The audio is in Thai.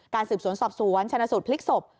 การสืบสวนสอบสวนชนะสูดพลิกสบ